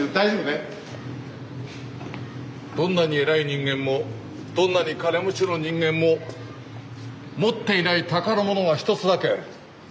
「どんなに偉い人間もどんなに金持ちの人間も持っていない宝物がひとつだけある。